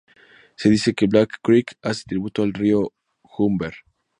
Se dice que Black Creek hace tributo al Río Humber.